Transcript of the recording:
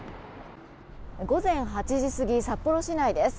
午前８時過ぎ札幌市内です。